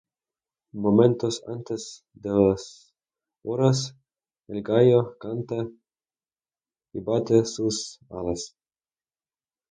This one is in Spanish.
Momentos antes de las horas, el gallo canta y bate sus alas.